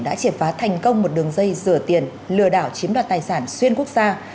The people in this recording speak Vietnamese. đã triệt phá thành công một đường dây rửa tiền lừa đảo chiếm đoạt tài sản xuyên quốc gia